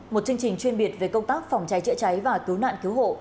một chương trình chuyên biệt về công tác phòng cháy chữa cháy và cứu nạn cứu hộ